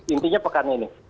intinya pekan ini